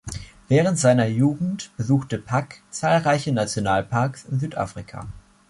Während seiner Jugend besuchte Pugh zahlreiche Nationalparks in Südafrika.